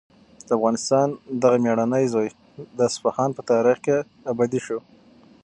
د افغانستان دغه مېړنی زوی د اصفهان په تاریخ کې ابدي شو.